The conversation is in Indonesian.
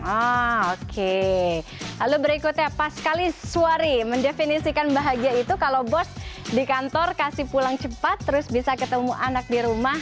oh oke lalu berikutnya pas kali suari mendefinisikan bahagia itu kalau bos di kantor kasih pulang cepat terus bisa ketemu anak di rumah